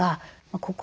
ここ